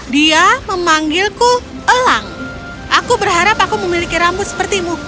dia memanggilku elang aku berharap aku memiliki rambut sepertimu